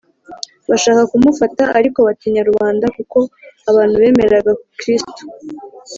‘bashaka kumufata ariko batinya rubanda,’ kuko abantu bemeraga kristo